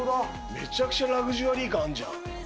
めちゃくちゃラグジュアリー感あるじゃん。